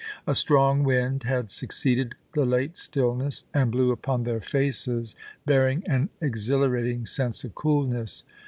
A strong wind had succeeded the late stillness, and blew upon their faces, bearing an exhilarating sense of coolness.